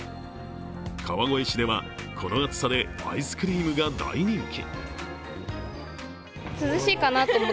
川越市では、この暑さでアイスクリームが大人気。